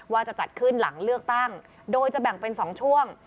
ว่าจะจัดขึ้นหลังเลือกตั้งโดยจะแบ่งเป็น๒ช่วง